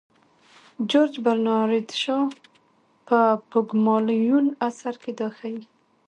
جورج برنارد شاو په پوګمالیون اثر کې دا ښيي.